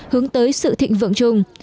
hướng tới sự thịnh vượng chung